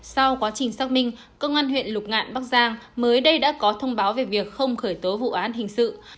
sau quá trình xác minh công an huyện lục ngạn bắc giang mới đây đã có thông báo về việc không khởi tố vụ án hình sự